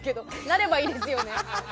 なればいいですよね。